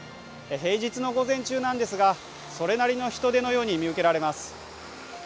平日の午前中なんですがそれなりの人出のように見受けられます。